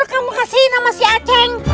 kamu kasihin sama si aceng